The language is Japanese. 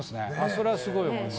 それはすごい思います。